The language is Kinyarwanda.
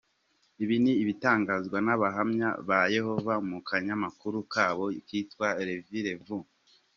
Ibi ni ibitangazwa n’abahamya ba Yehova mu kanyamakuru kabo kitwa “Réveillez-vous’.